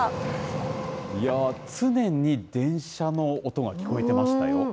いやぁ、常に電車の音が聞こえてましたよ。